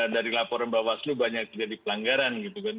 dari laporan bawaslu banyak terjadi pelanggaran gitu kan